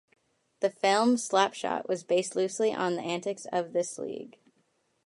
The film "Slap Shot" was based loosely on the antics of this league.